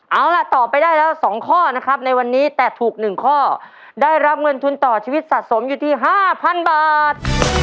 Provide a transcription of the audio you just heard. เอาล่ะตอบไปได้แล้ว๒ข้อนะครับในวันนี้แต่ถูก๑ข้อได้รับเงินทุนต่อชีวิตสะสมอยู่ที่๕๐๐๐บาท